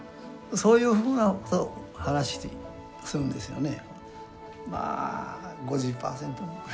そういうふうな話するんですよね。